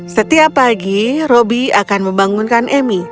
setiap pagi roby akan membangunkan emi